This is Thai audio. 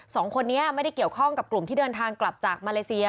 สองคนนี้ไม่ได้เกี่ยวข้องกับกลุ่มที่เดินทางกลับจากมาเลเซีย